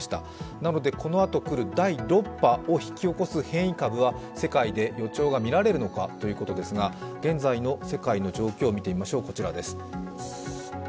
なので、このあと来る第６波を引き起こす変異株は世界で予兆が見られるのかということですが、現在の世界の状況を見てましょう。